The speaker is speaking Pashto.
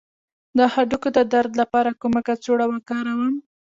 د هډوکو د درد لپاره کومه کڅوړه وکاروم؟